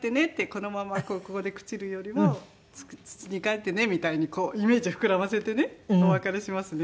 「このままここで朽ちるよりも土に還ってね」みたいにこうイメージ膨らませてねお別れしますね。